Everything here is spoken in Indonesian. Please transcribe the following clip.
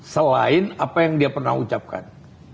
selain apa yang dia pernah ucapkan